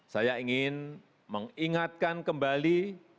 saya ingin mengingatkan kembali